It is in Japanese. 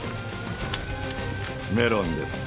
メロンです。